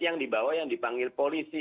yang dibawa yang dipanggil polisi